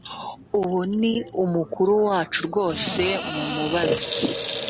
ubu ni umukuru wacu rwose mumubaze